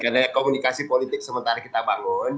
karena komunikasi politik sementara kita bangun